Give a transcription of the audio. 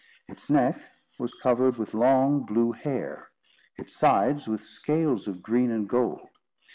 Its neck was covered with long blue hair, its sides with scales of green and gold.